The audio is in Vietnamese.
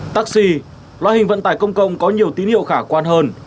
taxi loại hình vận tải công cộng có nhiều tín hiệu khả quan hơn